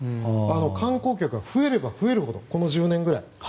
観光客が増えれば増えるほどこの１０年ぐらい。